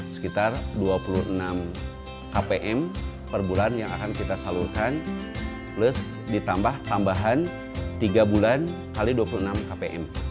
sekitar dua puluh enam kpm per bulan yang akan kita salurkan plus ditambah tambahan tiga bulan x dua puluh enam kpm